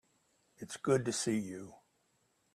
It's good to see you.